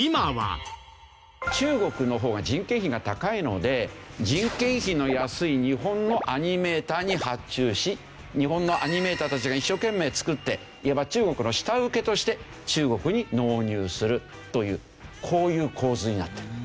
中国の方が人件費が高いので人件費の安い日本のアニメーターに発注し日本のアニメーターたちが一生懸命作っていわば中国の下請けとして中国に納入するというこういう構図になってる。